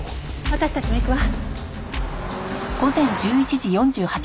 私たちも行くわ。